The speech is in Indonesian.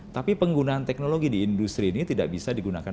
tapi penggunaan teknologi di industri ini tidak bisa digunakan